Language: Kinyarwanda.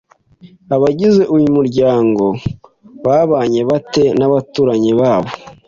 Abagize uyu muryango babanye bate n abaturanyi babo